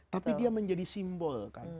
tapi dia menjadi simbol